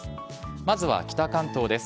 まずは北関東です。